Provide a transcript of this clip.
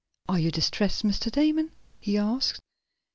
"Are you distressed, Mr. Damon?" he asked.